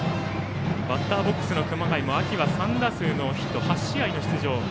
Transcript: バッターボックスの熊谷も秋は３打数ノーヒット８試合の出場。